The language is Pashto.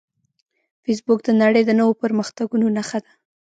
فېسبوک د نړۍ د نوو پرمختګونو نښه ده